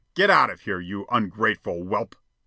"Get out of here, you ungrateful whelp!"